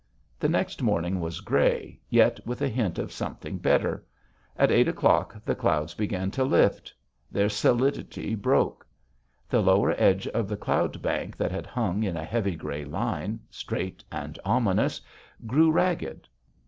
The next morning was gray, yet with a hint of something better. At eight o'clock, the clouds began to lift. Their solidity broke. The lower edge of the cloud bank that had hung in a heavy gray line, straight and ominous, grew ragged.